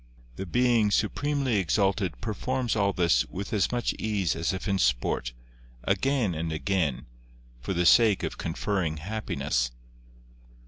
The Being, supremely exalted, performs all this with as much ease as if in sport, again and again, for the sake of conferring happiness."